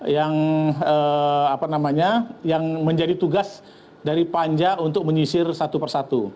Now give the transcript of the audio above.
yang apa namanya yang menjadi tugas dari panja untuk menyisir satu persatu